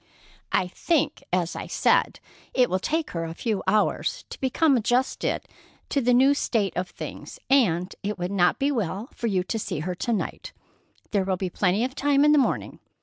"I think, as I said, it will take her a few hours to become adjusted to the new state of things, and it would not be well for you to see her to night. There will be plenty of time in the morning.